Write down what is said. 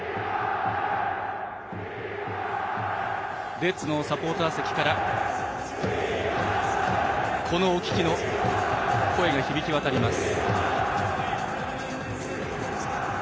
レッズのサポーター席から声が響き渡ります。